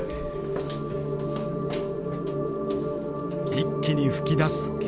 一気に噴き出す煙。